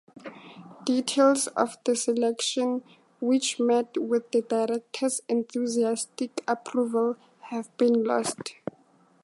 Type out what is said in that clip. Details of the selection, which met with the director's enthusiastic approval, have been lost.